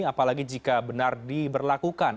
apalagi jika benar diberlakukan